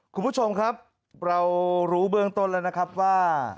คุณผู้ชมครับเรารู้เบื้องต้นแล้วนะครับว่า